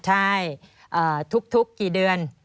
ใช่ทุกกี่เดือน